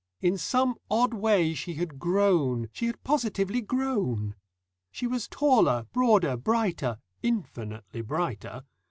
In some odd way she had grown, she had positively grown. She was taller, broader, brighter infinitely brighter.